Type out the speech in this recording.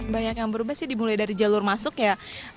banyak yang berubah sih dimulai dari jalur masuk ya